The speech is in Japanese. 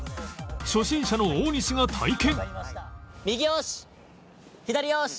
初心者の大西が体験